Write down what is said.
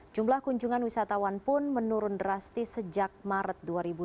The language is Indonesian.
jumlah kunjungan wisatawan pun menurun drastis sejak maret dua ribu dua puluh